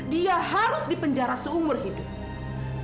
dia harus dipenjara seumur hidup